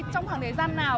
trong khoảng thời gian nào